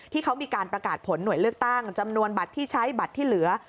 ที่เขามีการประกาศผลหน่วยเลือกตั้งจำนวนบัตรที่ใช้บัตรที่เหลือ